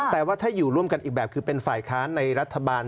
แต่ว่าถ้าอยู่ร่วมกันอีกแบบคือเป็นฝ่ายค้านในรัฐบาล